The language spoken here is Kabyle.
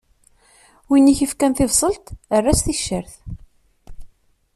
Win i k-ifkan tibṣelt, err-as ticcert.